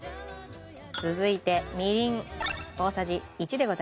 続いてみりん大さじ１でございます。